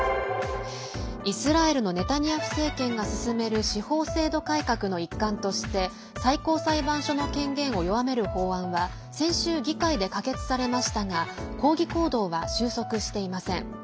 イスラエルのネタニヤフ政権が進める司法制度改革の一環として最高裁判所の権限を弱める法案は先週、議会で可決されましたが抗議行動は収束していません。